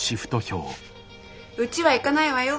うちは行かないわよ。